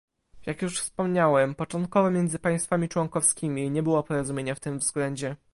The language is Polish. Jak już wspomniałem, początkowo między państwami członkowskimi nie było porozumienia w tym względzie